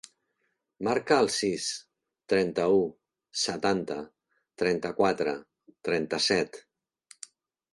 Marca el sis, trenta-u, setanta, trenta-quatre, trenta-set.